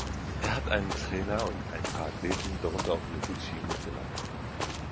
Er hat einen Trainer und ein paar Athleten, darunter auch Noguchi, mitgenommen.